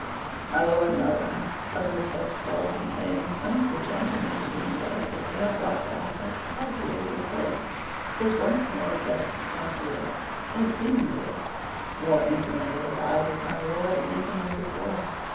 My Lord Mohun (of whose exploits and fame some of the gentlemen of the University had brought down but ugly reports) was once more a guest at Castlewood, and seemingly more intimately allied with my lord even than before.